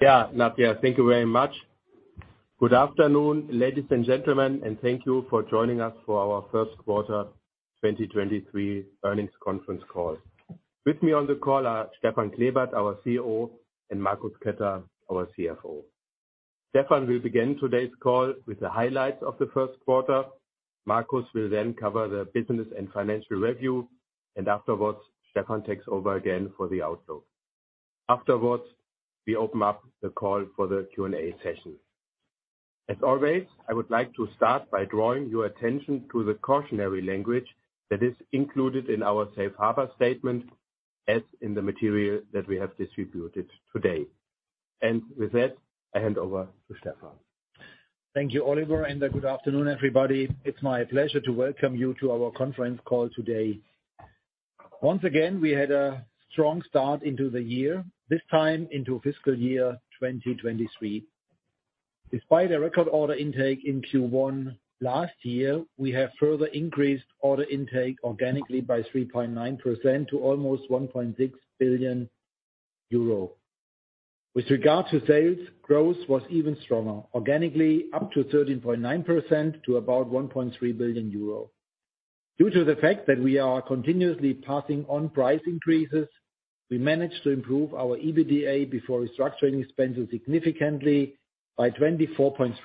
Yeah, Nadia, thank you very much. Good afternoon, ladies and gentlemen, and thank you for joining us for our first quarter 2023 earnings conference call. With me on the call are Stefan Klebert, our CEO, and Marcus Ketter, our CFO. Stefan will begin today's call with the highlights of the first quarter. Marcus will then cover the business and financial review. Afterwards, Stefan takes over again for the outlook. Afterwards, we open up the call for the Q&A session. As always, I would like to start by drawing your attention to the cautionary language that is included in our safe harbor statement, as in the material that we have distributed today. With that, I hand over to Stefan. Thank you, Oliver. Good afternoon, everybody. It's my pleasure to welcome you to our conference call today. Once again, we had a strong start into the year, this time into fiscal year 2023. Despite a record order intake in Q1 last year, we have further increased order intake organically by 3.9% to almost 1.6 billion euro. With regard to sales, growth was even stronger, organically up to 13.9% to about 1.3 billion euro. Due to the fact that we are continuously passing on price increases, we managed to improve our EBITDA before restructuring expenses significantly by 24.3%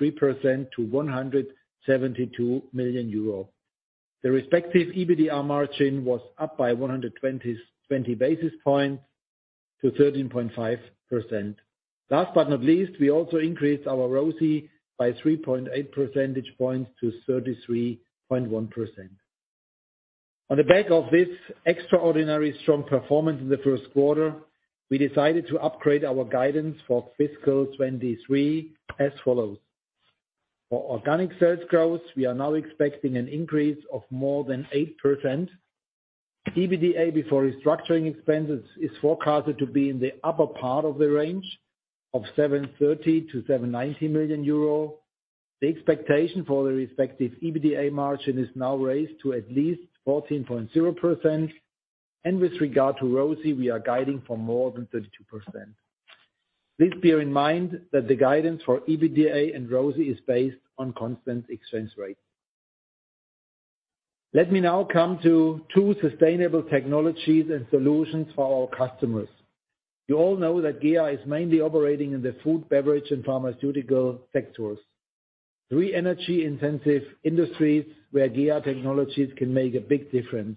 to 172 million euro. The respective EBITDA margin was up by 120 basis points to 13.5%. Last but not least, we also increased our ROCE by 3.8 percentage points to 33.1%. On the back of this extraordinary strong performance in the first quarter, we decided to upgrade our guidance for fiscal 2023 as follows. For organic sales growth, we are now expecting an increase of more than 8%. EBITDA before restructuring expenses is forecasted to be in the upper part of the range of 730 million-790 million euro. The expectation for the respective EBITDA margin is now raised to at least 14.0%. With regard to ROCE, we are guiding for more than 32%. Please bear in mind that the guidance for EBITDA and ROCE is based on constant exchange rate. Let me now come to two sustainable technologies and solutions for our customers. You all know that GEA is mainly operating in the food, beverage, and pharmaceutical sectors. Three energy-intensive industries where GEA technologies can make a big difference.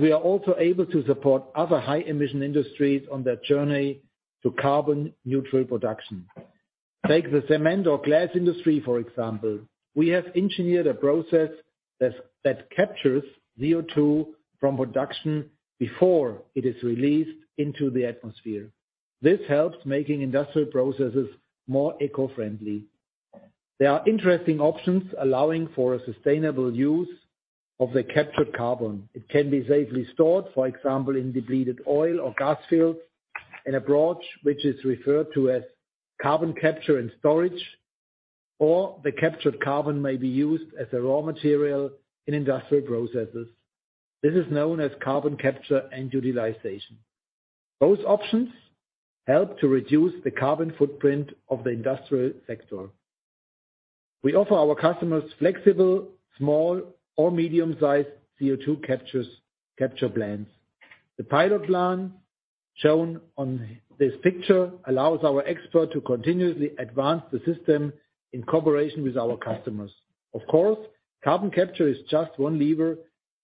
We are also able to support other high emission industries on their journey to carbon neutral production. Take the cement or glass industry, for example. We have engineered a process that captures CO2 from production before it is released into the atmosphere. This helps making industrial processes more eco-friendly. There are interesting options allowing for a sustainable use of the captured carbon. It can be safely stored, for example, in depleted oil or gas fields, an approach which is referred to as carbon capture and storage, or the captured carbon may be used as a raw material in industrial processes. This is known as carbon capture and utilization. Those options help to reduce the carbon footprint of the industrial sector. We offer our customers flexible, small or medium-sized CO2 capture plans. The pilot plan shown on this picture allows our expert to continuously advance the system in cooperation with our customers. Of course, carbon capture is just one lever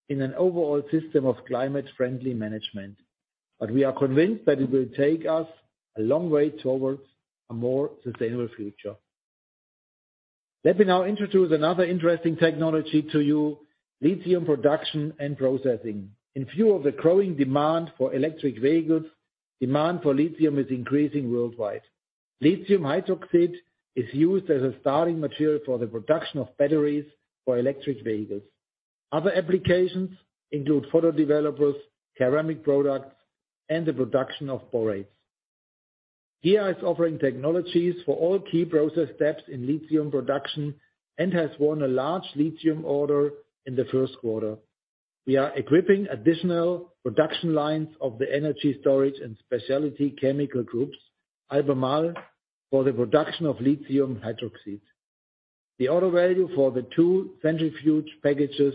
in an overall system of climate friendly management. We are convinced that it will take us a long way towards a more sustainable future. Let me now introduce another interesting technology to you, lithium production and processing. In view of the growing demand for electric vehicles, demand for lithium is increasing worldwide. Lithium hydroxide is used as a starting material for the production of batteries for electric vehicles. Other applications include photo developers, ceramic products, and the production of borates. GEA is offering technologies for all key process steps in lithium production and has won a large lithium order in the first quarter. We are equipping additional production lines of the energy storage and specialty chemical groups, Albemarle, for the production of lithium hydroxide. The order value for the two centrifuge packages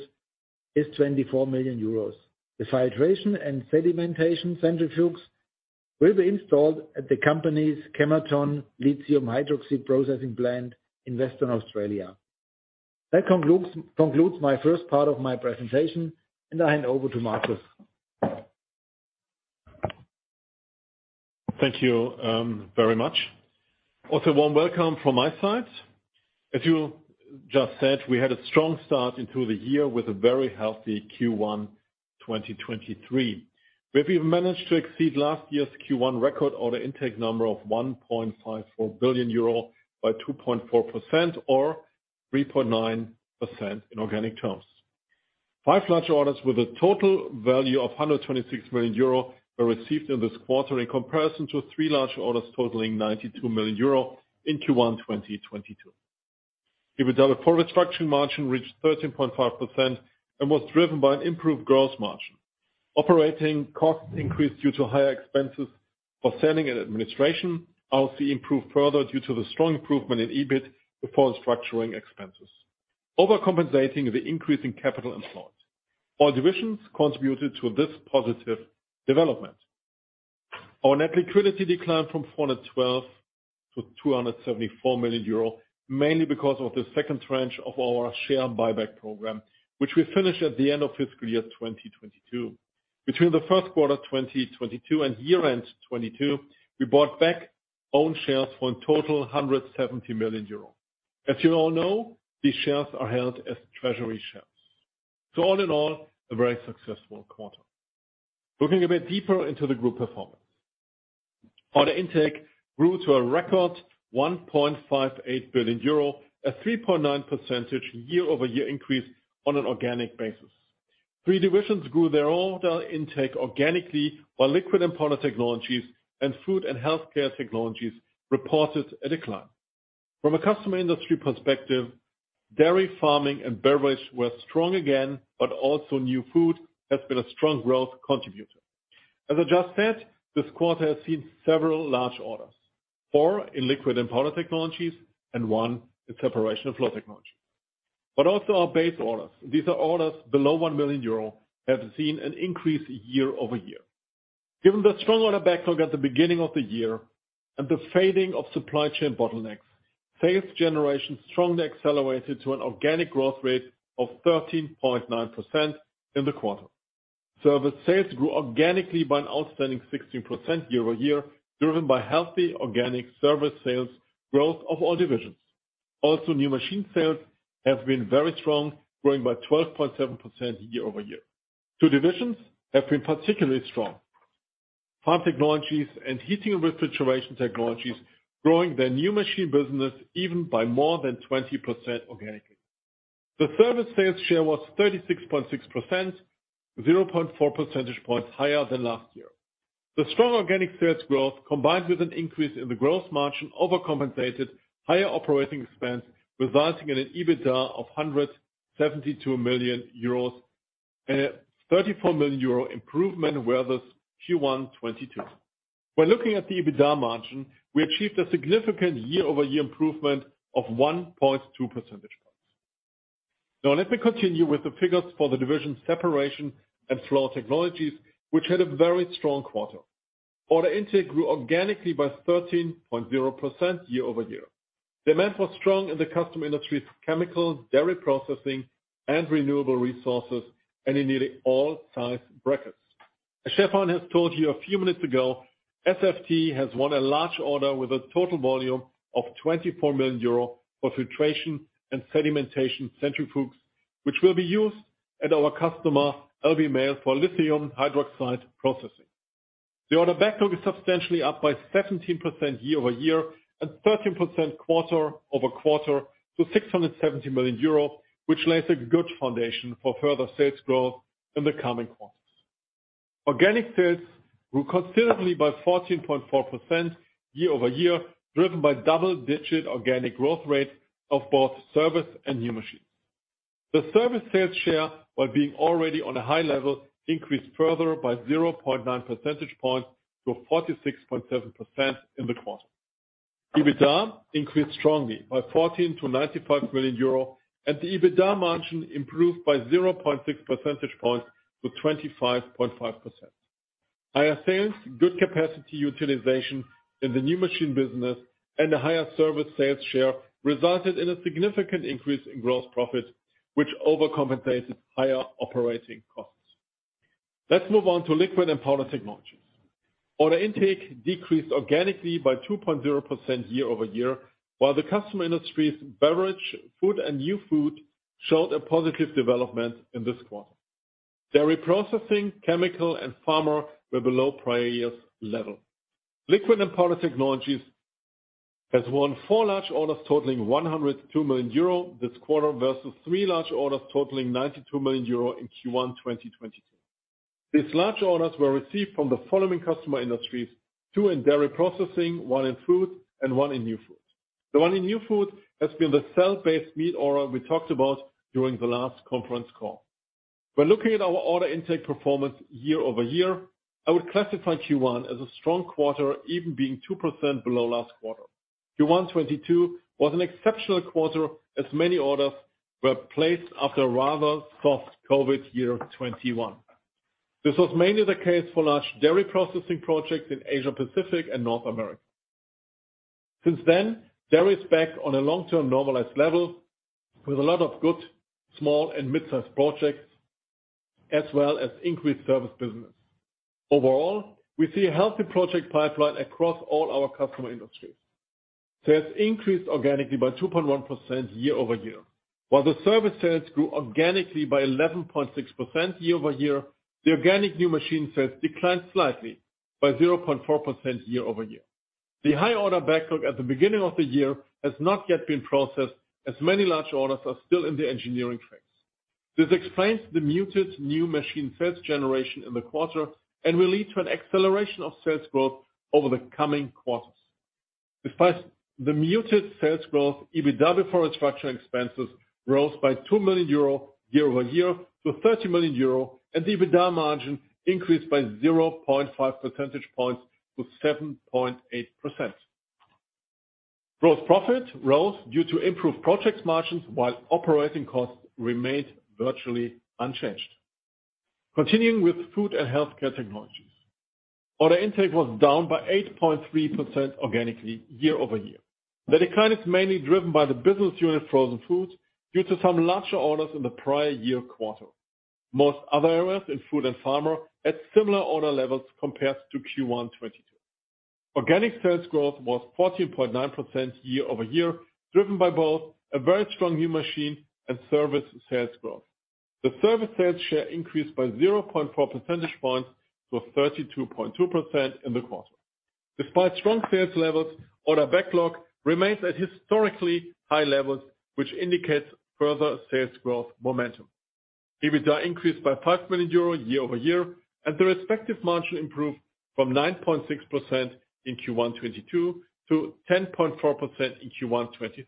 is 24 million euros. The filtration and sedimentation centrifuges will be installed at the company's Kemerton lithium hydroxide processing plant in Western Australia. That concludes my first part of my presentation. I hand over to Marcus. Thank you, very much. Warm welcome from my side. As you just said, we had a strong start into the year with a very healthy Q1 2023. We've even managed to exceed last year's Q1 record order intake number of 1.54 billion euro by 2.4% or 3.9% in organic terms. Five large orders with a total value of 126 million euro were received in this quarter in comparison to three large orders totaling 92 million euro in Q1 2022. EBITDA before restructuring margin reached 13.5% and was driven by an improved gross margin. Operating costs increased due to higher expenses for selling and administration. ROCE improved further due to the strong improvement in EBIT before restructuring expenses, overcompensating the increase in capital employed. All divisions contributed to this positive development. Our net liquidity declined from 412 million to 274 million euro, mainly because of the second tranche of our share buyback program, which we finished at the end of fiscal year 2022. Between the first quarter 2022 and year-end 2022, we bought back own shares for a total 170 million euro. As you all know, these shares are held as treasury shares. All in all, a very successful quarter. Looking a bit deeper into the group performance. Order intake grew to a record 1.58 billion euro, a 3.9% year-over-year increase on an organic basis. Three divisions grew their order intake organically, while Liquid & Powder Technologies and Food & Healthcare Technologies reported a decline. From a customer industry perspective, dairy, farming, and beverage were strong again, also New Food has been a strong growth contributor. As I just said, this quarter has seen several large orders. Four in Liquid & Powder Technologies and one in Separation & Flow Technologies. Also our base orders, these are orders below 1 million euro, have seen an increase year-over-year. Given the strong order backlog at the beginning of the year and the fading of supply chain bottlenecks, sales generation strongly accelerated to an organic growth rate of 13.9% in the quarter. Service sales grew organically by an outstanding 16% year-over-year, driven by healthy organic service sales growth of all divisions. Also, new machine sales have been very strong, growing by 12.7% year-over-year. Two divisions have been particularly strong. Farm Technologies and Heating & Refrigeration Technologies, growing their new machine business even by more than 20% organically. The service sales share was 36.6%, 0.4 percentage points higher than last year. The strong organic sales growth, combined with an increase in the growth margin, overcompensated higher operating expense, resulting in an EBITDA of 172 million euros and a 34 million euro improvement versus Q1 '22. When looking at the EBITDA margin, we achieved a significant year-over-year improvement of 1.2 percentage points. Now let me continue with the figures for the division Separation & Flow Technologies, which had a very strong quarter. Order intake grew organically by 13.0% year-over-year. Demand was strong in the custom industries chemical, Dairy Processing, and renewable resources, and in nearly all size brackets. As Stefan has told you a few minutes ago, SFT has won a large order with a total volume of 24 million euro for filtration and sedimentation centrifuges, which will be used at our customer, Albemarle, for lithium hydroxide processing. The order backlog is substantially up by 17% year-over-year and 13% quarter-over-quarter to 670 million euro, which lays a good foundation for further sales growth in the coming quarters. Organic sales grew considerably by 14.4% year-over-year, driven by double-digit organic growth rate of both service and new machines. The service sales share, while being already on a high level, increased further by 0.9 percentage points to 46.7% in the quarter. EBITDA increased strongly by 14 to 95 million euro, and the EBITDA margin improved by 0.6 percentage points to 25.5%. Higher sales, good capacity utilization in the new machine business, and a higher service sales share resulted in a significant increase in gross profit, which overcompensated higher operating costs. Let's move on to Liquid & Powder Technologies. Order intake decreased organically by 2.0% year-over-year, while the customer industries Beverage, Food, and New Food showed a positive development in this quarter. Dairy processing, chemical, and pharma were below prior years' level. Liquid & Powder Technologies has won four large orders totaling 102 million euro this quarter, versus three large orders totaling 92 million euro in Q1 2022. These large orders were received from the following customer industries: two in Dairy Processing, one in Food, and one in New Food. The one in New Food has been the cell-based meat order we talked about during the last conference call. When looking at our order intake performance year-over-year, I would classify Q1 as a strong quarter, even being 2% below last quarter. Q1 2022 was an exceptional quarter, as many orders were placed after a rather soft COVID year 2021. This was mainly the case for large Dairy Processing projects in Asia-Pacific and North America. Dairy is back on a long-term normalized level with a lot of good small and midsize projects, as well as increased service business. Overall, we see a healthy project pipeline across all our customer industries. Sales increased organically by 2.1% year-over-year. While the service sales grew organically by 11.6% year-over-year, the organic new machine sales declined slightly by 0.4% year-over-year. The high order backlog at the beginning of the year has not yet been processed, as many large orders are still in the engineering phase. This explains the muted new machine sales generation in the quarter and will lead to an acceleration of sales growth over the coming quarters. Despite the muted sales growth, EBITDA before restructuring expenses rose by 2 million euro year-over-year to 30 million euro, and EBITDA margin increased by 0.5 percentage points to 7.8%. Gross profit rose due to improved projects margins while operating costs remained virtually unchanged. Continuing with Food & Healthcare Technologies. Order intake was down by 8.3% organically year-over-year. The decline is mainly driven by the business unit frozen foods due to some larger orders in the prior year quarter. Most other areas in food and pharma had similar order levels compared to Q1 '22. Organic sales growth was 14.9% year-over-year, driven by both a very strong new machine and service sales growth. The service sales share increased by 0.4 percentage points to 32.2% in the quarter. Despite strong sales levels, order backlog remains at historically high levels, which indicates further sales growth momentum. EBITDA increased by 5 million euro year-over-year, and the respective margin improved from 9.6% in Q1 2022 to 10.4% in Q1 2023.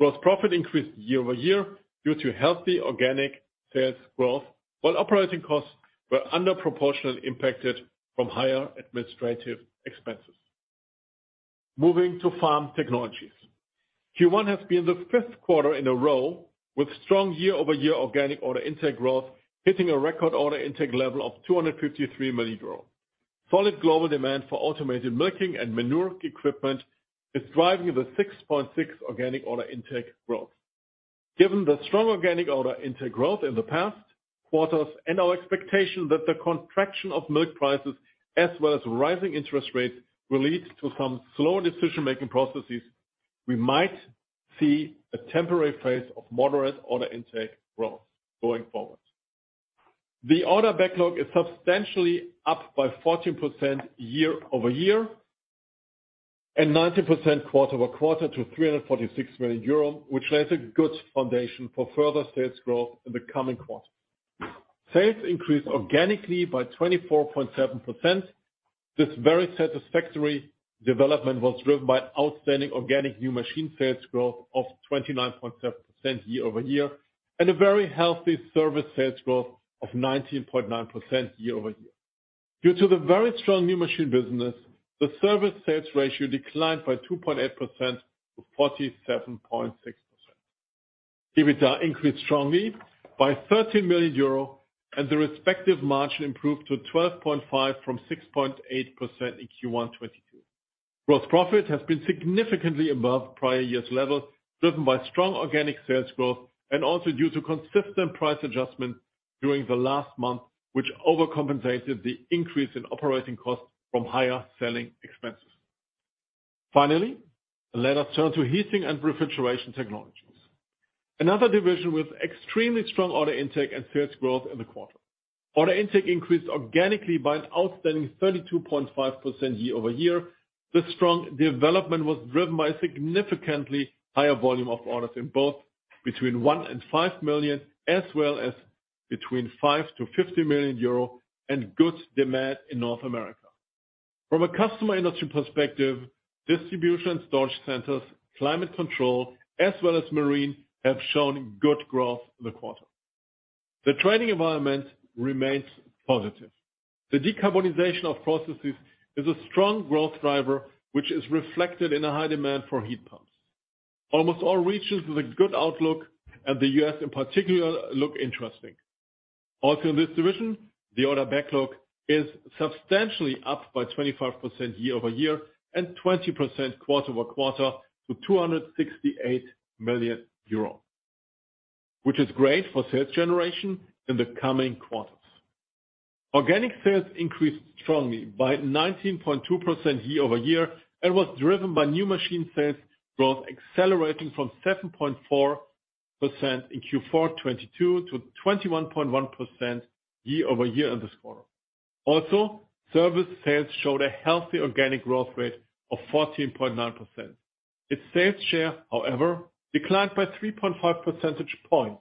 Gross profit increased year-over-year due to healthy organic sales growth, while operating costs were under proportionally impacted from higher administrative expenses. Moving to Farm Technologies. Q1 has been the fifth quarter in a row with strong year-over-year organic order intake growth, hitting a record order intake level of 253 million euros. Solid global demand for automated milking and manure equipment is driving the 6.6% organic order intake growth. Given the strong organic order intake growth in the past quarters and our expectation that the contraction of milk prices as well as rising interest rates will lead to some slower decision-making processes, we might see a temporary phase of moderate order intake growth going forward. The order backlog is substantially up by 14% year-over-year and 19% quarter-over-quarter to 346 million euro, which lays a good foundation for further sales growth in the coming quarters. Sales increased organically by 24.7%. This very satisfactory development was driven by outstanding organic new machine sales growth of 29.7% year-over-year, and a very healthy service sales growth of 19.9% year-over-year. Due to the very strong new machine business, the service sales ratio declined by 2.8% to 47.6%. EBITDA increased strongly by 13 million euro and the respective margin improved to 12.5% from 6.8% in Q1 '22. Gross profit has been significantly above prior year's level, driven by strong organic sales growth and also due to consistent price adjustments during the last month, which overcompensated the increase in operating costs from higher selling expenses. Finally, let us turn to Heating & Refrigeration Technologies. Another division with extremely strong order intake and sales growth in the quarter. Order intake increased organically by an outstanding 32.5% year-over-year. The strong development was driven by a significantly higher volume of orders in both between 1 million and 5 million, as well as between 5 million-50 million euro and good demand in North America. From a customer industry perspective, distribution, storage centers, climate control, as well as marine, have shown good growth in the quarter. The trading environment remains positive. The decarbonization of processes is a strong growth driver, which is reflected in a high demand for heat pumps. Almost all regions with a good outlook and the U.S. in particular look interesting. Also in this division, the order backlog is substantially up by 25% year-over-year and 20% quarter-over-quarter to 268 million euros, which is great for sales generation in the coming quarters. Organic sales increased strongly by 19.2% year-over-year and was driven by new machine sales growth accelerating from 7.4% in Q4 2022 to 21.1% year-over-year in this quarter. Service sales showed a healthy organic growth rate of 14.9%. Its sales share, however, declined by 3.5 percentage points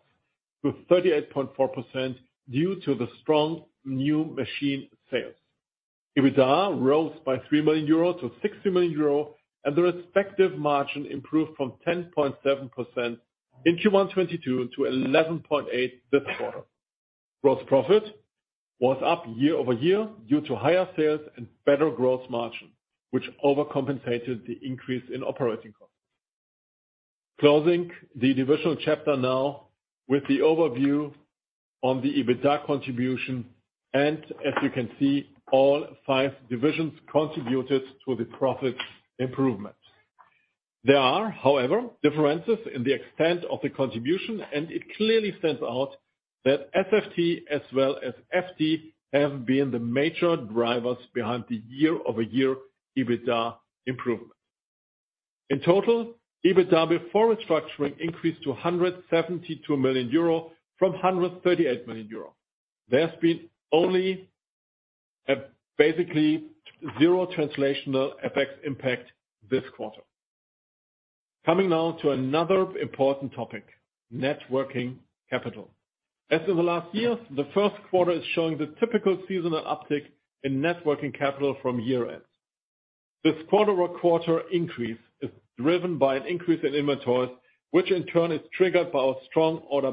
to 38.4% due to the strong new machine sales. EBITDA rose by 3 million euros to 60 million euros, and the respective margin improved from 10.7% in Q1 2022 to 11.8% this quarter. Gross profit was up year-over-year due to higher sales and better gross margin, which overcompensated the increase in operating costs. Closing the divisional chapter now with the overview on the EBITDA contribution, and as you can see, all five divisions contributed to the profit improvement. There are, however, differences in the extent of the contribution, and it clearly stands out that FFT as well as FDS have been the major drivers behind the year-over-year EBITDA improvement. In total, EBITDA before restructuring increased to 172 million euro from 138 million euro. There's been only a basically zero translational effects impact this quarter. Coming now to another important topic, Net Working Capital. As in the last years, the first quarter is showing the typical seasonal uptick in Net Working Capital from year-end. This quarter-on-quarter increase is driven by an increase in inventories, which in turn is triggered by our strong order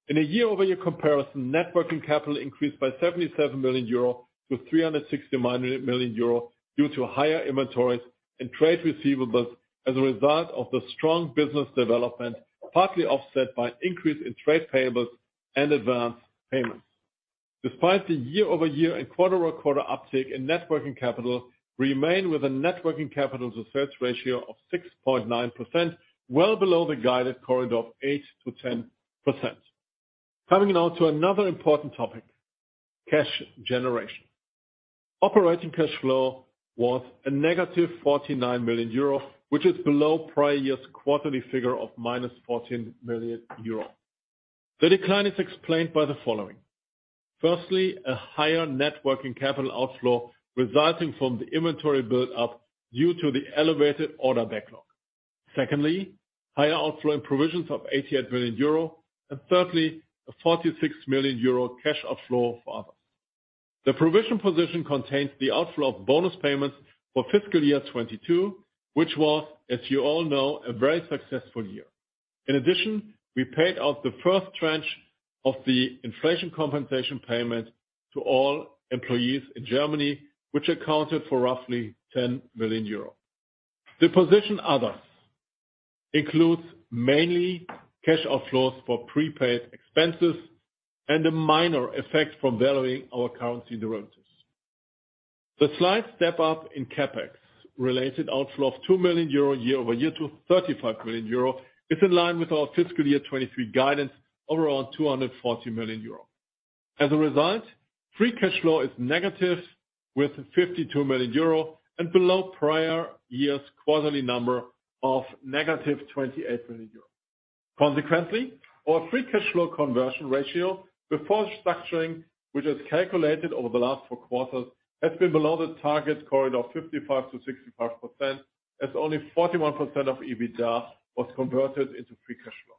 backlog. In a year-over-year comparison, Net Working Capital increased by 77 million euro to 360 million euro due to higher inventories and trade receivables as a result of the strong business development, partly offset by increase in trade payables and advanced payments. Despite the year-over-year and quarter-on-quarter uptick in Net Working Capital remain with a Net Working Capital to sales ratio of 6.9%, well below the guided corridor of 8%-10%. Coming now to another important topic, cash generation. Operating cash flow was a -49 million euro, which is below prior year's quarterly figure of -14 million euro. The decline is explained by the following. Firstly, a higher Net Working Capital outflow resulting from the inventory build-up due to the elevated order backlog. Secondly, higher outflow and provisions of 88 million euro. Thirdly, a 46 million euro cash outflow for others. The provision position contains the outflow of bonus payments for fiscal year 2022, which was, as you all know, a very successful year. In addition, we paid out the first tranche of the inflation compensation payment to all employees in Germany, which accounted for roughly 10 million euros. The position others includes mainly cash outflows for prepaid expenses and a minor effect from valuing our currency derivatives. The slight step up in CapEx related outflow of 2 million euro year-over-year to 35 million euro is in line with our fiscal year 2023 guidance of around 240 million euro. As a result, free cash flow is -52 million euro and below prior year's quarterly number of -28 million euro. Consequently, our free cash flow conversion ratio before restructuring, which is calculated over the last four quarters, has been below the target corridor of 55%-65%, as only 41% of EBITDA was converted into free cash flow.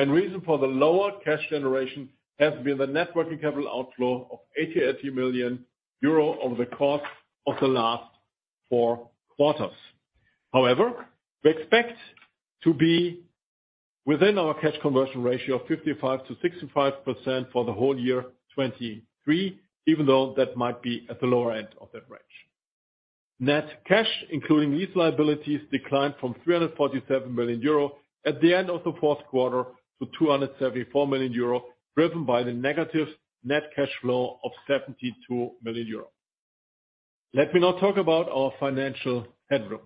Main reason for the lower cash generation has been the Net Working Capital outflow of 88 million euro over the course of the last four quarters. However, we expect to be within our cash conversion ratio of 55%-65% for the whole year 2023, even though that might be at the lower end of that range. Net cash, including lease liabilities, declined from 347 million euro at the end of the fourth quarter to 274 million euro, driven by the negative net cash flow of 72 million euro. Let me now talk about our financial headroom.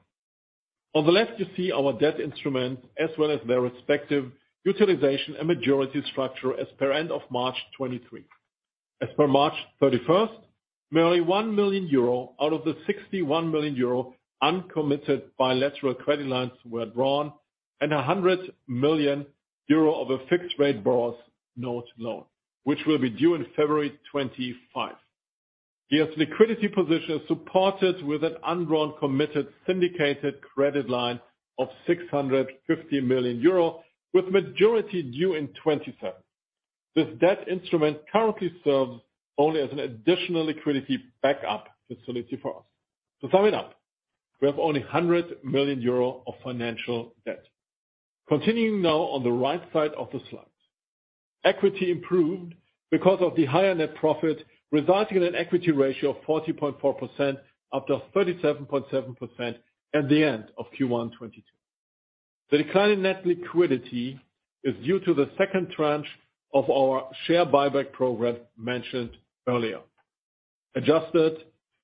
On the left, you see our debt instrument as well as their respective utilization and maturity structure as per end of March 2023. As per March 31st, merely 1 million euro out of the 61 million euro uncommitted bilateral credit lines were drawn and 100 million euro of a fixed rate Schuldschein loan, which will be due in February 2025. DF's liquidity position is supported with an undrawn committed syndicated credit line of 650 million euro, with maturity due in 2027. This debt instrument currently serves only as an additional liquidity backup facility for us. To sum it up, we have only 100 million euro of financial debt. Continuing now on the right side of the slide. Equity improved because of the higher net profit, resulting in an equity ratio of 40.4% after 37.7% at the end of Q1 2022. The decline in net liquidity is due to the second tranche of our share buyback program mentioned earlier. Adjusted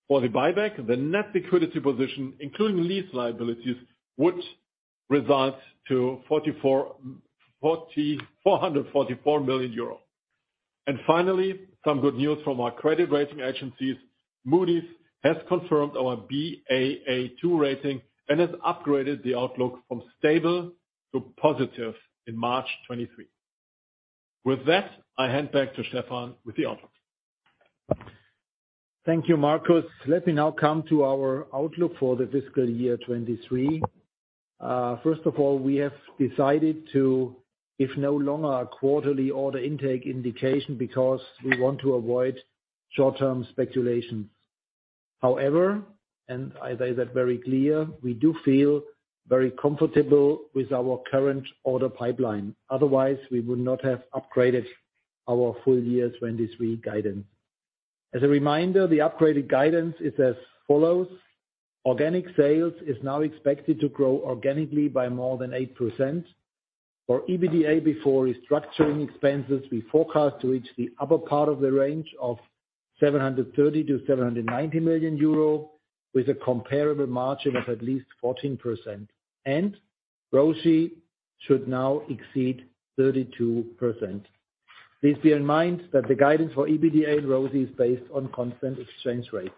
for the buyback, the net liquidity position, including lease liabilities, would result to 444 million euros. Finally, some good news from our credit rating agencies. Moody's has confirmed our Baa2 rating and has upgraded the outlook from stable to positive in March 2023. With that, I hand back to Stefan with the outlook. Thank you, Marcus. Let me now come to our outlook for the fiscal year 2023. First of all, we have decided to give no longer a quarterly order intake indication because we want to avoid short-term speculation. However, and I say that very clear, we do feel very comfortable with our current order pipeline. Otherwise, we would not have upgraded our full year's 2023 guidance. As a reminder, the upgraded guidance is as follows: Organic sales is now expected to grow organically by more than 8%. For EBITDA before restructuring expenses, we forecast to reach the upper part of the range of 730 million-790 million euro with a comparable margin of at least 14%, and ROCE should now exceed 32%. Please bear in mind that the guidance for EBITDA and ROCE is based on constant exchange rates.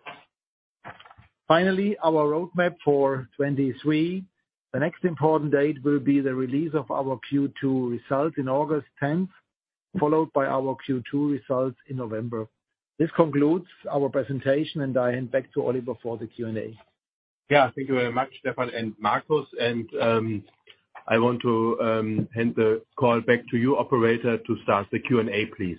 Finally, our roadmap for 2023. The next important date will be the release of our Q2 result in August 10th. Followed by our Q2 results in November. This concludes our presentation and I hand back to Oliver for the Q&A. Yeah, thank you very much, Stefan and Marcus. I want to hand the call back to you operator to start the Q&A, please.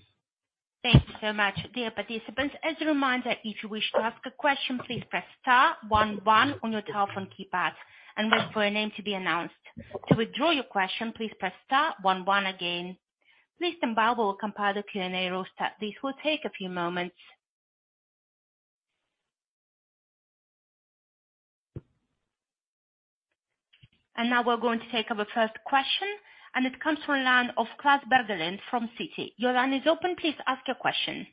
Thank you so much. Dear participants, as a reminder, if you wish to ask a question, please press star one one on your telephone keypad and wait for your name to be announced. To withdraw your question, please press star one one again. Please stand by while we compile the Q&A roster. This will take a few moments. Now we're going to take our first question, and it comes from the line of Klas Bergelind from Citi. Your line is open. Please ask your question.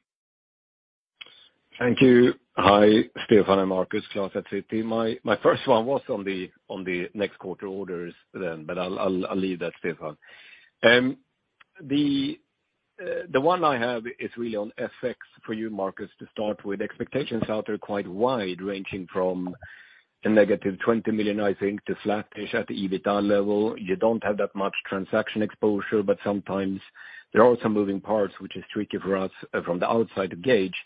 Thank you. Hi, Stefan and Marcus. Klas at Citi. My first one was on the next quarter orders then, but I'll leave that, Stefan. The one I have is really on FX for you, Marcus, to start with. Expectations out there are quite wide, ranging from a negative 20 million, I think, to flat-ish at the EBITDA level. You don't have that much transaction exposure, but sometimes there are some moving parts, which is tricky for us from the outside to gauge.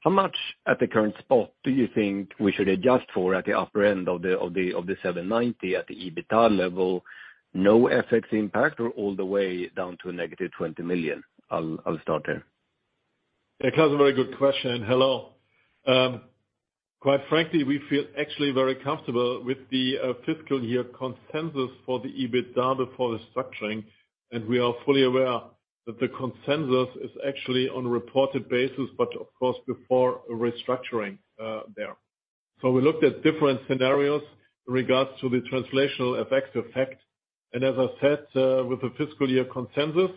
How much at the current spot do you think we should adjust for at the upper end of the 790 at the EBITDA level, no FX impact or all the way down to a -20 million? I'll start there. Yeah. Klas, a very good question. Hello. Quite frankly, we feel actually very comfortable with the fiscal year consensus for the EBITDA before the structuring. We are fully aware that the consensus is actually on a reported basis, but of course before restructuring there. We looked at different scenarios in regards to the translational effects. As I said, with the fiscal year consensus,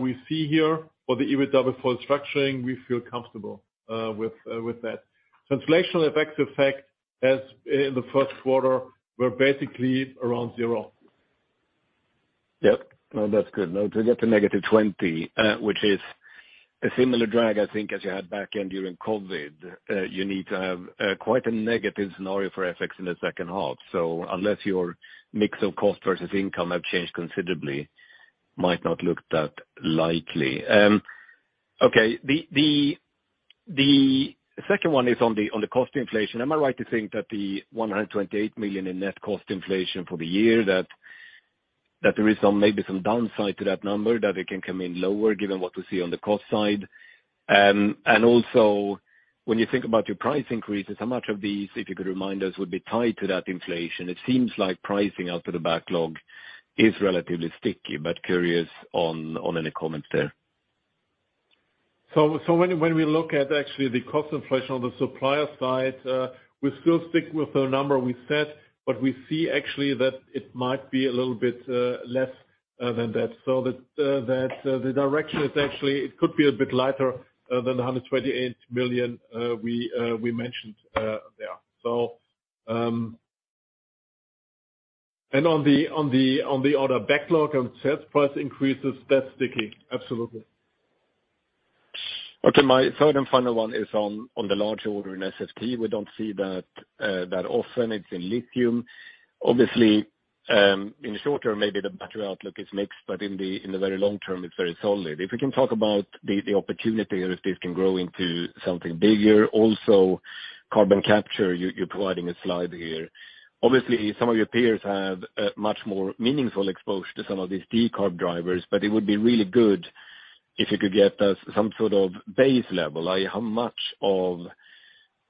we see here for the EBITDA before structuring, we feel comfortable with that. Translational effects as in the first quarter were basically around zero. Yep. No, that's good. To get to -20 million, which is a similar drag, I think, as you had back in during COVID, you need to have quite a negative scenario for FX in the second half. Unless your mix of cost versus income have changed considerably, might not look that likely. Okay. The second one is on the cost inflation. Am I right to think that the 128 million in net cost inflation for the year, that there is some, maybe some downside to that number that it can come in lower given what we see on the cost side? Also, when you think about your price increases, how much of these, if you could remind us, would be tied to that inflation? It seems like pricing out to the backlog is relatively sticky, but curious on any comments there. When we look at actually the cost inflation on the supplier side, we still stick with the number we set, but we see actually that it might be a little bit less than that. That the direction is actually it could be a bit lighter than the 128 million we mentioned there. On the order backlog and sales price increases, that's sticky. Absolutely. My third and final one is on the larger order in SFT. We don't see that often. It's in lithium. Obviously, in the short term, maybe the battery outlook is mixed, but in the very long term, it's very solid. If we can talk about the opportunity or if this can grow into something bigger. Also carbon capture, you're providing a slide here. Obviously some of your peers have a much more meaningful exposure to some of these decarb drivers, but it would be really good if you could get us some sort of base level. Like how much of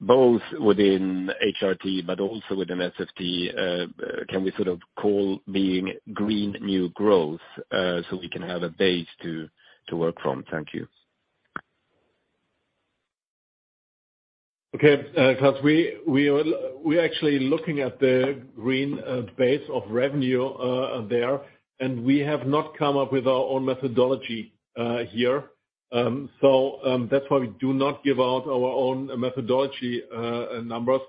both within HRT, but also within SFT, can we sort of call being green new growth, so we can have a base to work from? Thank you. Ok Klas, we're actually looking at the green base of revenue there, we have not come up with our own methodology here. That's why we do not give out our own methodology numbers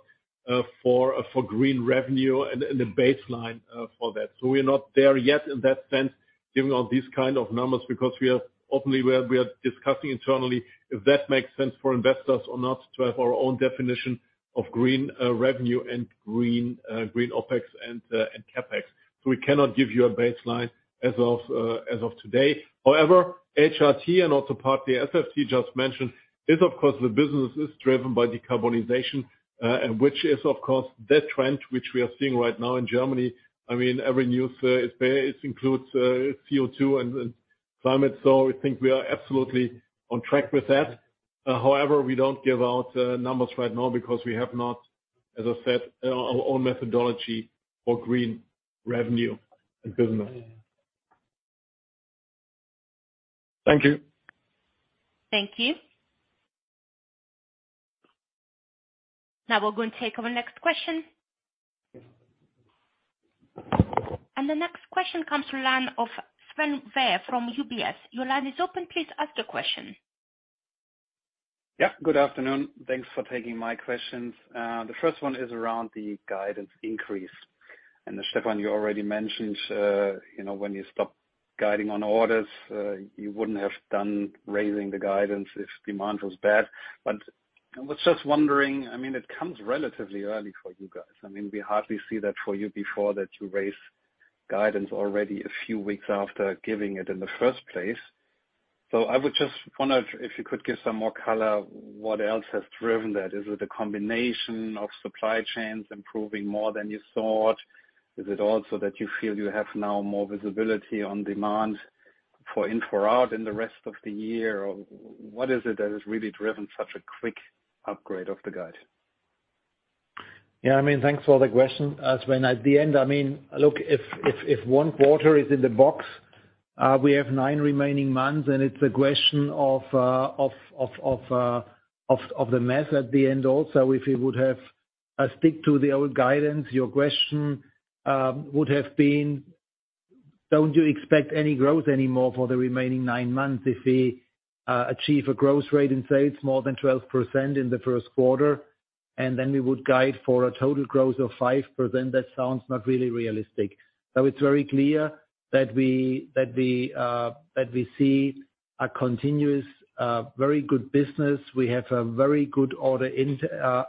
for green revenue and the baseline for that. We're not there yet in that sense, giving out these kinds of numbers because we are openly discussing internally if that makes sense for investors or not, to have our own definition of green revenue and green OpEx and CapEx. We cannot give you a baseline as of today. However, HRT and also partly SFT just mentioned is of course the business is driven by decarbonization, and which is of course the trend which we are seeing right now in Germany. I mean, every news, it includes CO2 and climate. I think we are absolutely on track with that. We don't give out numbers right now because we have not, as I said, our own methodology for green revenue and business. Thank you. Thank you. Now we're going to take our next question. The next question comes from line of Sven Weier from UBS. Your line is open. Please ask your question. Yeah, good afternoon. Thanks for taking my questions. The first one is around the guidance increase. Stefan, you already mentioned, you know, when you stop guiding on orders, you wouldn't have done raising the guidance if demand was bad. I was just wondering, it comes relatively early for you guys. We hardly see that for you before that you raise guidance already a few weeks after giving it in the first place. I would just wonder if you could give some more color, what else has driven that? Is it a combination of supply chains improving more than you thought? Is it also that you feel you have now more visibility on demand for infra out in the rest of the year? Or what is it that has really driven such a quick upgrade of the guide? I mean, thanks for the question. When at the end, I mean, look, if one quarter is in the box, we have nine remaining months, and it's a question of the math at the end also. If we would have stick to the old guidance, your question would have been, "Don't you expect any growth anymore for the remaining nine months if we achieve a growth rate in sales more than 12% in the first quarter?" Then we would guide for a total growth of 5%. That sounds not really realistic. It's very clear that we see a continuous very good business. We have a very good order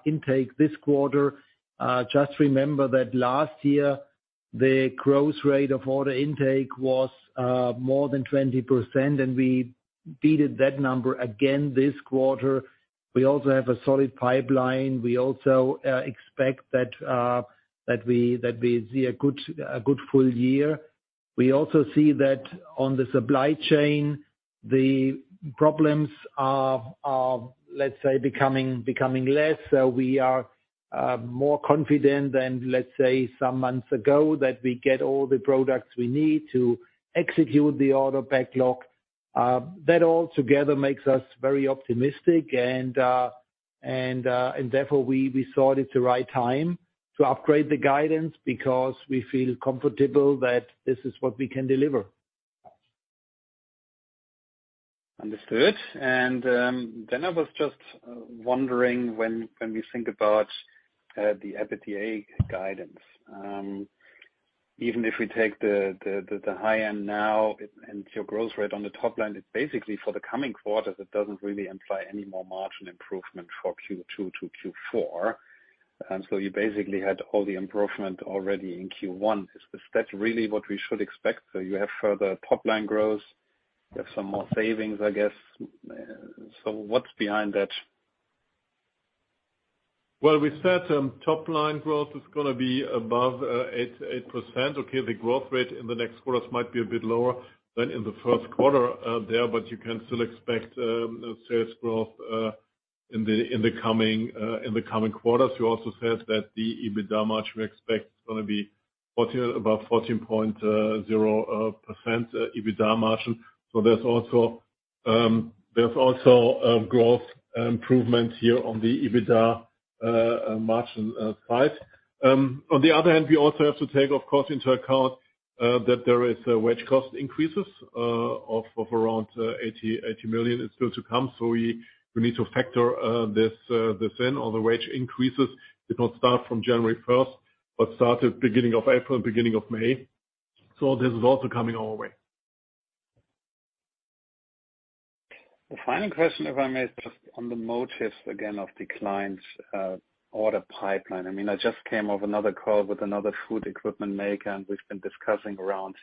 intake this quarter. Just remember that last year, the growth rate of order intake was more than 20%, we beat that number again this quarter. We also have a solid pipeline. We also expect that we see a good full year. We also see that on the supply chain, the problems are, let's say, becoming less. We are more confident than, let's say, some months ago that we get all the products we need to execute the order backlog. That all together makes us very optimistic and therefore, we thought it's the right time to upgrade the guidance because we feel comfortable that this is what we can deliver. Understood. Then I was just wondering when we think about the EBITDA guidance, even if we take the high end now and your growth rate on the top line, it's basically for the coming quarter, that doesn't really imply any more margin improvement for Q2 to Q4. You basically had all the improvement already in Q1. Is that really what we should expect? You have further top-line growth, you have some more savings, I guess. What's behind that? Well, we said, top-line growth is gonna be above 8%. Okay, the growth rate in the next quarters might be a bit lower than in the first quarter, there, but you can still expect sales growth in the coming quarters. We also said that the EBITDA margin we expect is gonna be about 14.0% EBITDA margin. There's also growth improvements here on the EBITDA margin side. On the other hand, we also have to take, of course, into account that there is a wage cost increases of around 80 million is still to come. We need to factor this in. All the wage increases did not start from January 1st but started beginning of April and beginning of May. This is also coming our way. The final question, if I may, is just on the motives again of the client's order pipeline. I mean, I just came off another call with another food equipment maker, and we've been discussing around,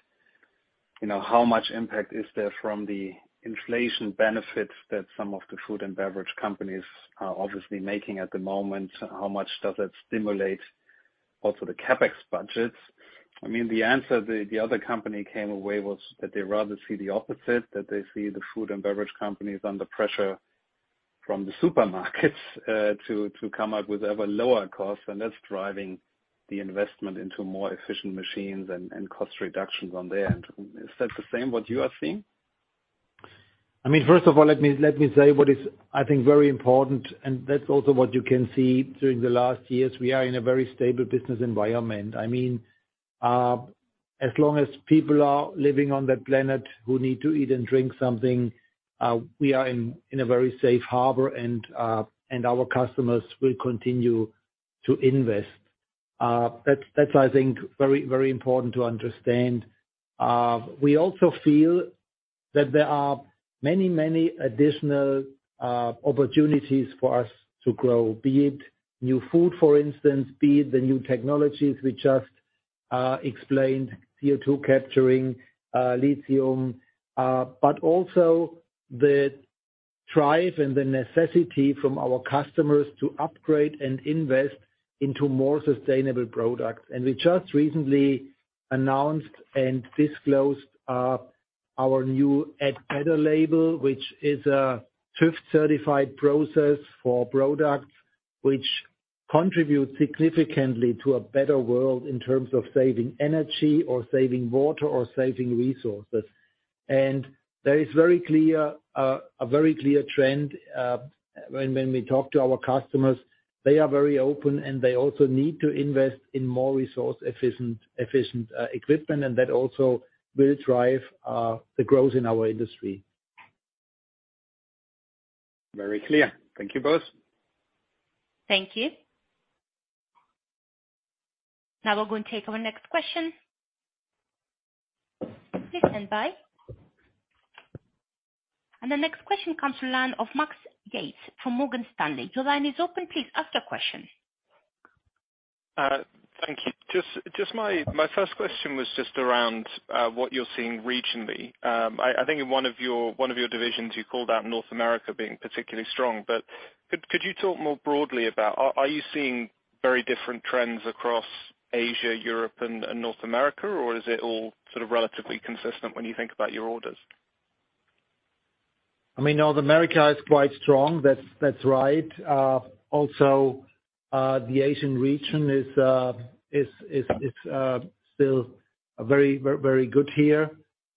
you know, how much impact is there from the inflation benefits that some of the food and beverage companies are obviously making at the moment. How much does it stimulate also the CapEx budgets? I mean, the answer the other company came away was that they rather see the opposite, that they see the food and beverage companies under pressure from the supermarkets to come up with ever lower costs, and that's driving the investment into more efficient machines and cost reductions on their end. Is that the same what you are seeing? I mean, first of all, let me say what is, I think, very important. That's also what you can see during the last years. We are in a very stable business environment. I mean, as long as people are living on that planet who need to eat and drink something, we are in a very safe harbor, and our customers will continue to invest. That's, I think, very important to understand. We also feel that there are many additional opportunities for us to grow, be it New Food, for instance, be it the new technologies we just explained, CO2 capturing, lithium. Also the drive and the necessity from our customers to upgrade and invest into more sustainable products. We just recently announced and disclosed our new Add Better label, which is a fifth certified process for products which contribute significantly to a better world in terms of saving energy or saving water or saving resources. There is very clear, a very clear trend when we talk to our customers. They are very open, and they also need to invest in more resource-efficient equipment, that also will drive the growth in our industry. Very clear. Thank you both. Thank you. Now we're going to take our next question. Please stand by. The next question comes to the line of Max Yates from Morgan Stanley. Your line is open. Please ask your question. Thank you. Just my first question was just around what you're seeing regionally. I think in one of your divisions you called out North America being particularly strong. Could you talk more broadly about are you seeing very different trends across Asia, Europe, and North America? Or is it all sort of relatively consistent when you think about your orders? I mean, North America is quite strong, that's right. Also, the Asian region is still very, very good here.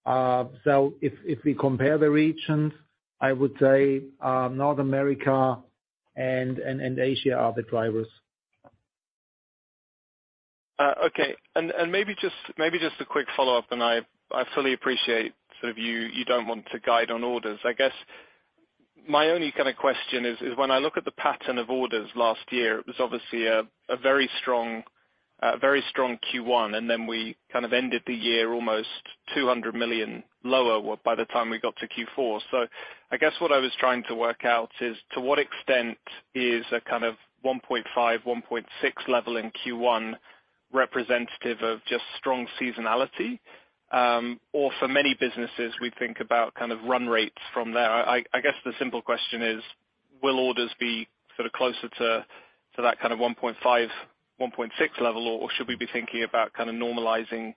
If we compare the regions, I would say, North America and Asia are the drivers. Okay. Maybe just a quick follow-up, and I fully appreciate sort of you don't want to guide on orders. I guess my only kind of question is when I look at the pattern of orders last year, it was obviously a very strong Q1, and then we kind of ended the year almost 200 million lower by the time we got to Q4. I guess what I was trying to work out is to what extent is a kind of 1.5, 1.6 level in Q1 representative of just strong seasonality? For many businesses, we think about kind of run rates from there. I guess the simple question is will orders be sort of closer to that kind of 1.5, 1.6 level, or should we be thinking about kind of normalizing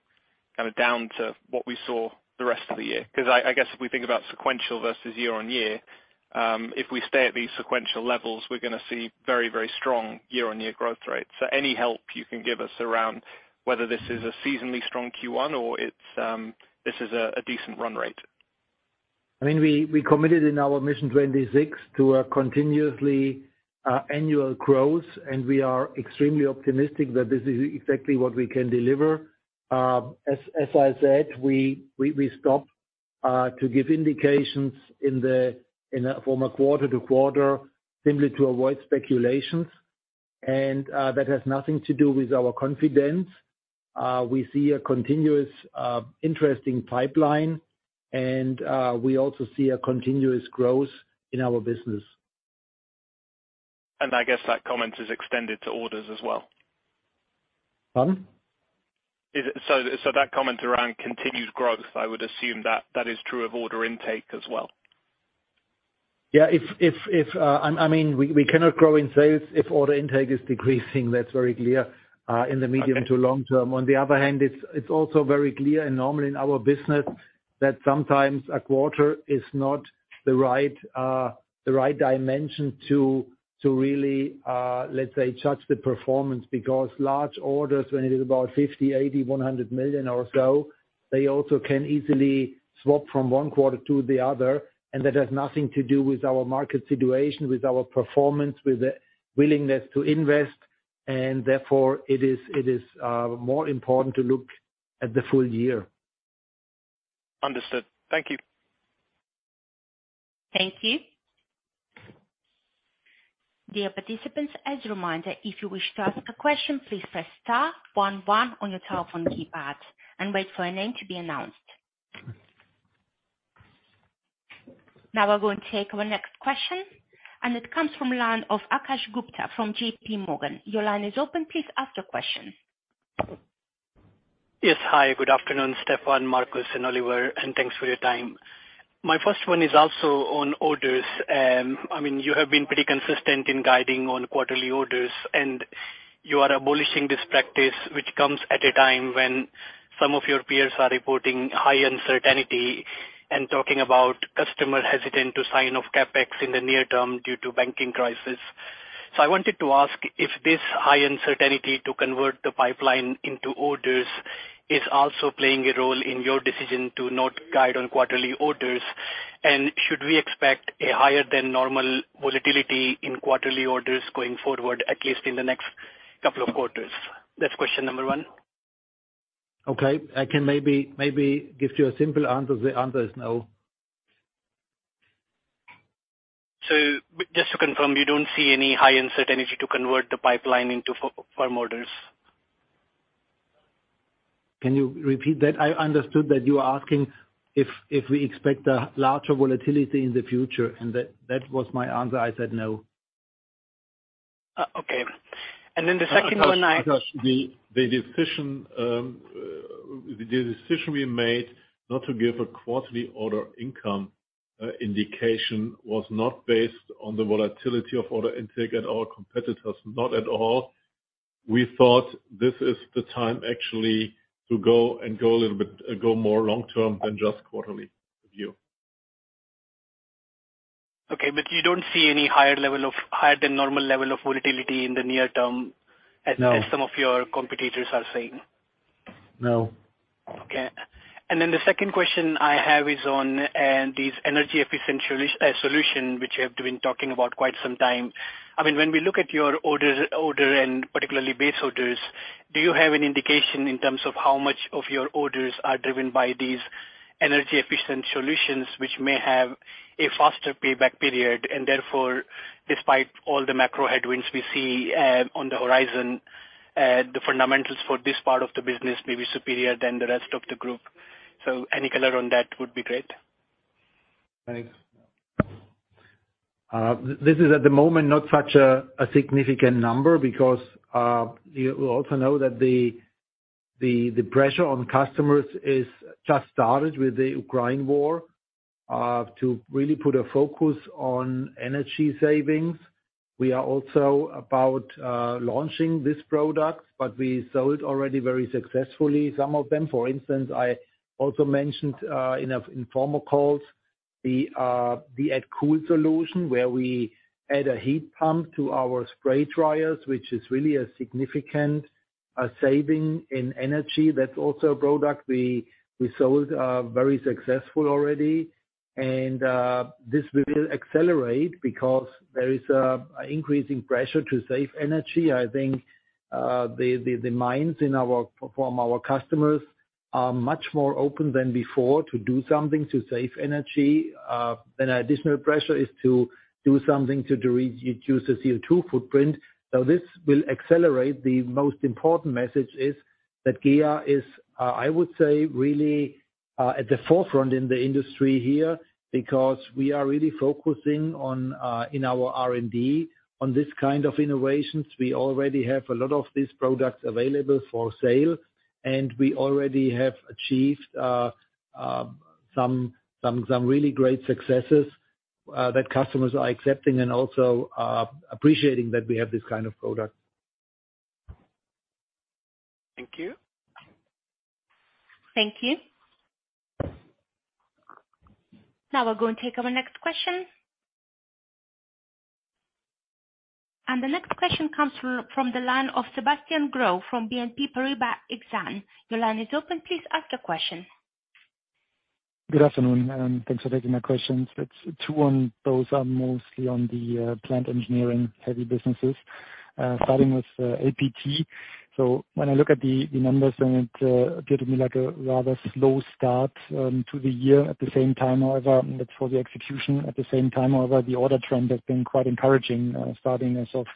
kind of down to what we saw the rest of the year? I guess if we think about sequential versus year-on-year, if we stay at these sequential levels, we're gonna see very strong year-on-year growth rates. Any help you can give us around whether this is a seasonally strong Q1 or it's this is a decent run rate. I mean, we committed in our Mission 26 to a continuously, annual growth, and we are extremely optimistic that this is exactly what we can deliver. As I said, we stop to give indications in the, in a form of quarter to quarter simply to avoid speculations. That has nothing to do with our confidence. We see a continuous, interesting pipeline. We also see a continuous growth in our business. I guess that comment is extended to orders as well. Pardon? That comment around continued growth, I would assume that is true of order intake as well. Yeah. If I mean, we cannot grow in sales if order intake is decreasing. That's very clear. Okay. In the medium to long term. On the other hand, it's also very clear and normal in our business that sometimes a quarter is not the right dimension to really, let's say, judge the performance. Because large orders, when it is about 50 million, 80 million, 100 million or so, they also can easily swap from one quarter to the other. That has nothing to do with our market situation, with our performance, with the willingness to invest. Therefore it is more important to look at the full year. Understood. Thank you. Thank you. Dear participants, as a reminder, if you wish to ask a question, please press star one one on your telephone keypad and wait for a name to be announced. Now we're going to take our next question, and it comes from line of Akash Gupta from JP Morgan. Your line is open. Please ask your question. Yes. Hi, good afternoon, Stefan, Marcus, and Oliver, and thanks for your time. My first one is also on orders. I mean, you have been pretty consistent in guiding on quarterly orders, and you are abolishing this practice, which comes at a time when some of your peers are reporting high uncertainty and talking about customer hesitant to sign off CapEx in the near term due to banking crisis. I wanted to ask if this high uncertainty to convert the pipeline into orders is also playing a role in your decision to not guide on quarterly orders. Should we expect a higher than normal volatility in quarterly orders going forward, at least in the next couple of quarters? That's question number one. Okay. I can maybe give you a simple answer. The answer is no. Just to confirm, you don't see any high uncertainty to convert the pipeline into firm orders? Can you repeat that? I understood that you are asking if we expect a larger volatility in the future, and that was my answer. I said no. Okay. The second one. Akash. The decision we made not to give a quarterly order income indication was not based on the volatility of order intake at our competitors. Not at all. We thought this is the time actually to go a little bit, go more long term than just quarterly view. Okay. You don't see any higher level of, higher than normal level of volatility in the near term? No. As some of your competitors are saying? No. Okay. The second question I have is on these energy efficient solution, which you have been talking about quite some time. When we look at your orders and particularly base orders, do you have an indication in terms of how much of your orders are driven by these energy efficient solutions which may have a faster payback period and therefore, despite all the macro headwinds we see on the horizon, the fundamentals for this part of the business may be superior than the rest of the group. Any color on that would be great. Thanks. This is at the moment not such a significant number because, you know, we also know that the pressure on customers is just started with the Ukraine War to really put a focus on energy savings. We are also about launching these products, but we sold already very successfully some of them. For instance, I also mentioned in informal calls the AddCool solution, where we add a heat pump to our spray dryers, which is really a significant saving in energy. That's also a product we sold very successful already. This will accelerate because there is increasing pressure to save energy. I think the minds from our customers are much more open than before to do something to save energy. An additional pressure is to do something to reduce the CO2 footprint. This will accelerate. The most important message is that GEA is, I would say, really at the forefront in the industry here because we are really focusing on in our R&D on this kind of innovations. We already have a lot of these products available for sale, and we already have achieved some really great successes that customers are accepting and also appreciating that we have this kind of product. Thank you. Thank you. Now we're going to take our next question. The next question comes from the line of Sebastian Growe from BNP Paribas Exane. Your line is open. Please ask your question. Good afternoon, thanks for taking my questions. It's two. One, those are mostly on the plant engineering heavy businesses. Starting with LPT. When I look at the numbers and it appeared to me like a rather slow start to the year. At the same time, however, that's for the execution. At the same time, however, the order trend has been quite encouraging, starting as of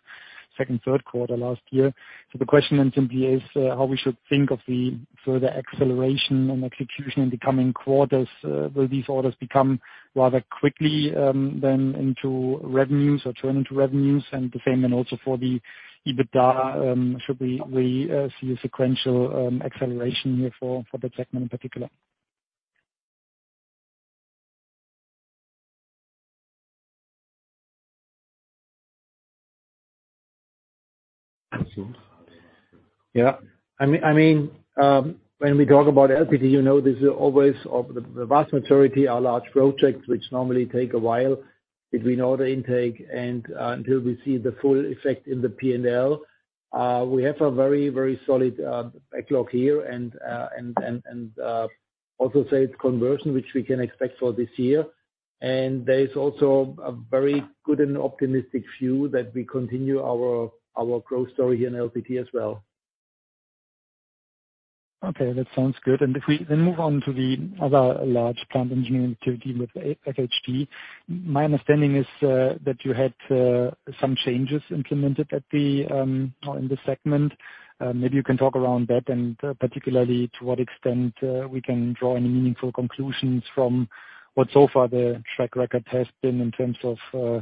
second, third quarter last year. The question then simply is how we should think of the further acceleration and execution in the coming quarters. Will these orders become rather quickly then into revenues or turn into revenues? The same then also for the EBITDA, should we see a sequential acceleration here for that segment in particular? Yeah. I mean, when we talk about LPT, you know, this is always of the vast majority are large projects which normally take a while between order intake and until we see the full effect in the P&L. We have a very solid backlog here and also say its conversion, which we can expect for this year. There is also a very good and optimistic view that we continue our growth story in LPT as well. Okay, that sounds good. If we then move on to the other large plant engineering activity with FHT. My understanding is that you had some changes implemented at the or in this segment. Maybe you can talk around that and particularly to what extent we can draw any meaningful conclusions from what so far the track record has been in terms of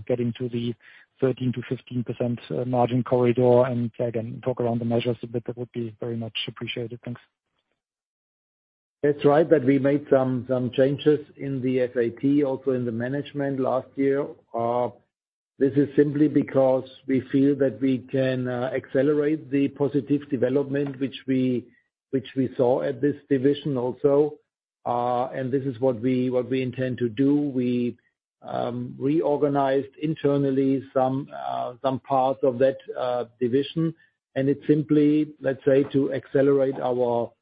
getting to the 13% to 15% margin corridor and again, talk around the measures a bit, that would be very much appreciated. Thanks. That's right. That we made some changes in the SFT, also in the management last year. This is simply because we feel that we can accelerate the positive development which we saw at this division also. This is what we intend to do. We reorganized internally some parts of that division. It's simply, let's say, to accelerate our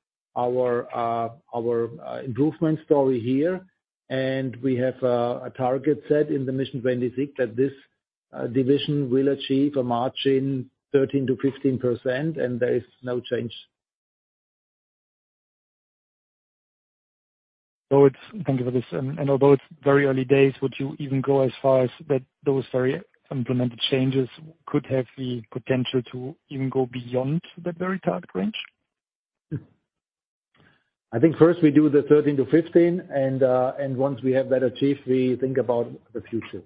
improvement story here. We have a target set in the Mission 26 that this division will achieve a margin 13%-15%, and there is no change. Thank you for this. Although it's very early days, would you even go as far as that those very implemented changes could have the potential to even go beyond that very target range? I think first we do the 13%-15%, once we have that achieved, we think about the future.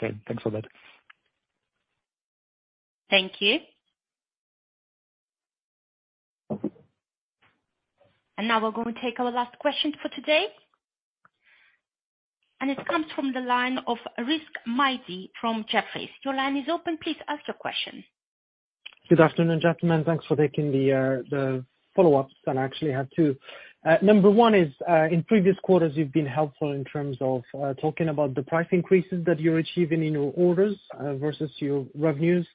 Okay. Thanks for that. Thank you. Now we're going to take our last question for today. It comes from the line of Rizk Maidi from Jefferies. Your line is open. Please ask your question. Good afternoon, gentlemen. Thanks for taking the the follow-ups that I actually have too. Number one is in previous quarters you've been helpful in terms of talking about the price increases that you're achieving in your orders versus your revenues.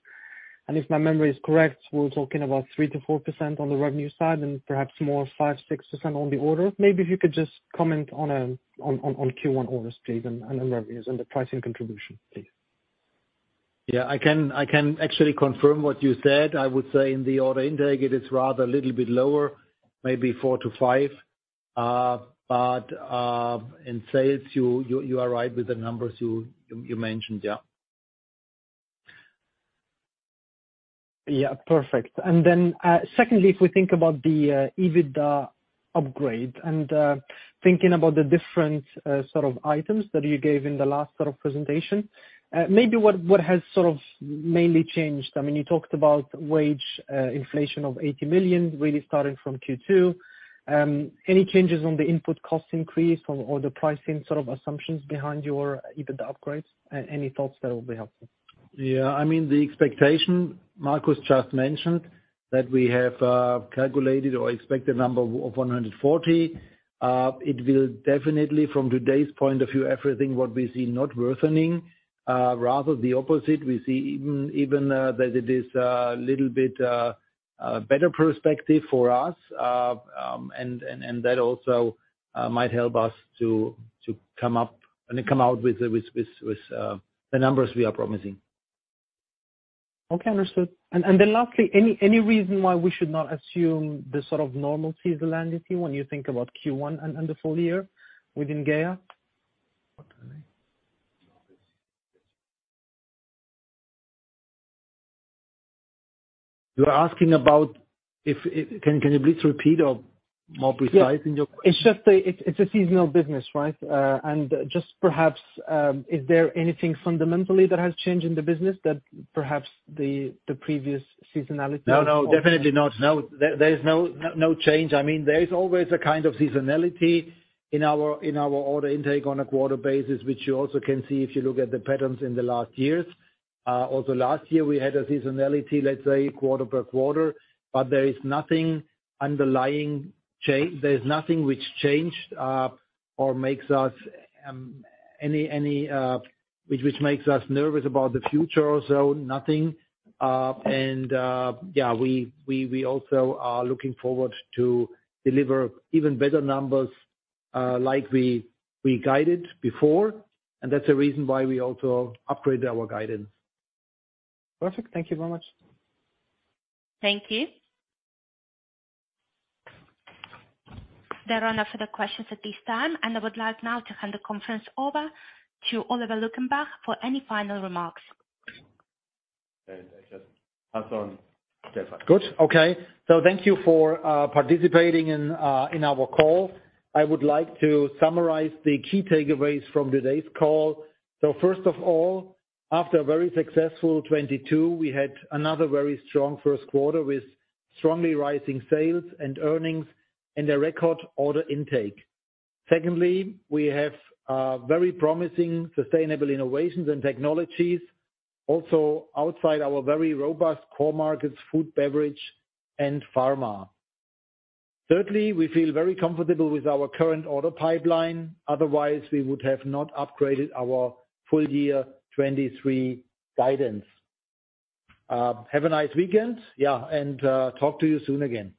If my memory is correct, we're talking about 3%-4% on the revenue side and perhaps more, 5%-6% on the order. Maybe if you could just comment on Q1 orders, please, and on revenues and the pricing contribution, please. Yeah. I can actually confirm what you said. I would say in the order intake it is rather a little bit lower, maybe four to five. In sales you are right with the numbers you mentioned. Yeah. Yeah. Perfect. Secondly, if we think about the EBITDA upgrade and thinking about the different sort of items that you gave in the last sort of presentation, maybe what has sort of mainly changed? I mean, you talked about wage inflation of 80 million really starting from Q2. Any changes on the input cost increase or the pricing sort of assumptions behind your EBITDA upgrades? Any thoughts there will be helpful. Yeah. I mean, the expectation Marcus just mentioned, that we have calculated or expected number of 140. It will definitely from today's point of view, everything what we see not worsening, rather the opposite. We see even, that it is little bit better perspective for us. That also might help us to come up. Come out with the numbers we are promising. Okay. Understood. Then lastly, any reason why we should not assume the sort of normal seasonality when you think about Q1 and the full year within GEA? Can you please repeat or more precise in your question? Yeah. It's a seasonal business, right? Just perhaps, is there anything fundamentally that has changed in the business that perhaps the previous seasonality- No, no, definitely not. No. There, there is no, no change. I mean, there is always a kind of seasonality in our order intake on a quarter basis, which you also can see if you look at the patterns in the last years. Also last year we had a seasonality, let's say quarter per quarter, but there is nothing underlying there's nothing which changed or makes us any which makes us nervous about the future or so, nothing. Yeah, we also are looking forward to deliver even better numbers like we guided before, and that's the reason why we also upgrade our guidance. Perfect. Thank you very much. Thank you. There are no further questions at this time, and I would like now to hand the conference over to Oliver Luckenbach for any final remarks. Good. Okay. Thank you for participating in our call. I would like to summarize the key takeaways from today's call. First of all, after a very successful 2022, we had another very strong first quarter with strongly rising sales and earnings and a record order intake. Secondly, we have very promising sustainable innovations and technologies also outside our very robust core markets, food, beverage, and pharma. Thirdly, we feel very comfortable with our current order pipeline, otherwise we would have not upgraded our full year 2023 guidance. Have a nice weekend. Yeah. Talk to you soon again.